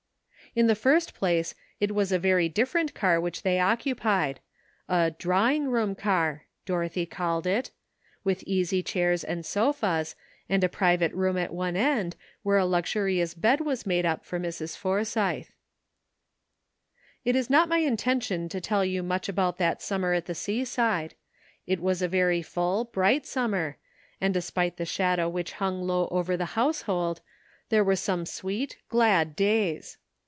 In the first place, it was a very different car which they occupied — a ''drawing room car," Dorothy called it — with easy chairs and sofas, and a private room at one end, where a luxu rious bed was made up for Mrs. Forsythe. It is not my intention to tell you much about that summer at the seaside ; it was a very full, bright summer, and despite the shadow which hung low over the household, there were some sweet, glad days.